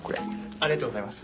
ありがとうございます。